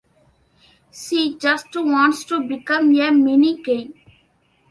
She just wants to become a mini-Cain.